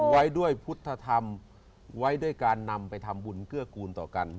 ไว้ด้วยพุทธธรรมไว้ด้วยการนำไปทำบุญเกื้อกูลต่อกัน